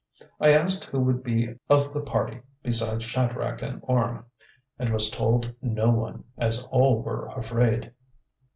I asked who would be of the party besides Shadrach and Orme, and was told no one, as all were afraid.